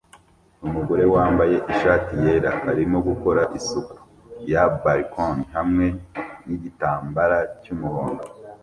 Umugore wambaye ishati yera arimo gukora isuku ya balkoni hamwe nigitambara cyumuhondo